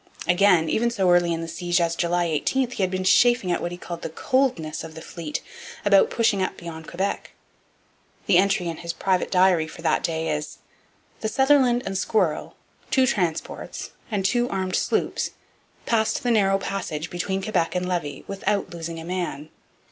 Again, even so early in the siege as July 18 he had been chafing at what he called the 'coldness' of the fleet about pushing up beyond Quebec. The entry in his private diary for that day is: 'The Sutherland and Squirrell, two transports, and two armed sloops passed the narrow passage between Quebec and Levy without losing a man.'